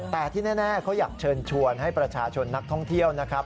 แต่ที่แน่เขาอยากเชิญชวนให้ประชาชนนักท่องเที่ยวนะครับ